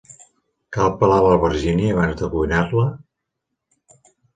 Cal pelar l'albergínia abans de cuinar-la?